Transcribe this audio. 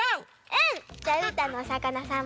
うん！